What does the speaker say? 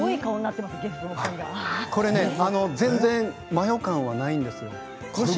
これ全然マヨ感はないんですよ。